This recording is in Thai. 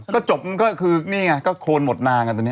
ก็จบมันก็คือนี่ไงก็โคนหมดนางกันตอนนี้